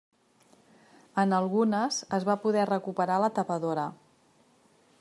En algunes es va poder recuperar la tapadora.